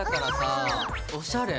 おしゃれ。